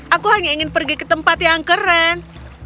aku hanya ingin pergi ke tempat yang keren